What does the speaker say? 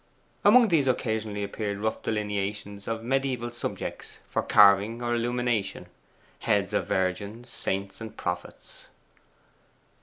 Among these occasionally appeared rough delineations of mediaeval subjects for carving or illumination heads of Virgins, Saints, and Prophets.